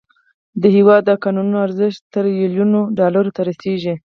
د هیواد د کانونو ارزښت تریلیونونو ډالرو ته رسیږي.